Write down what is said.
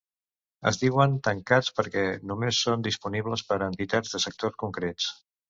Es diuen tancats perquè només són disponibles per a entitats de sectors concrets.